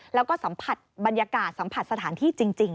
แล้วก็สัมผัสบรรยากาศสัมผัสสถานที่จริง